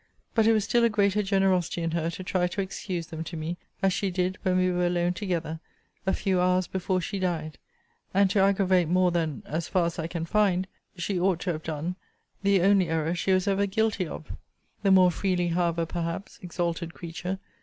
But it was still a greater generosity in her to try to excuse them to me, as she did when we were alone together, a few hours before she died; and to aggravate more than (as far as I can find) she ought to have done, the only error she was ever guilty of. The more freely, however, perhaps, (exalted creature!)